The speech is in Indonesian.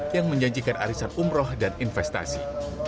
yang menjanjikan arisan umroh dan investasi